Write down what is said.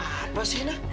apa sih ina